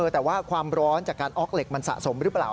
แต่ว่าความร้อนจากการออกเหล็กมันสะสมหรือเปล่า